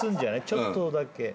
ちょっとだけ。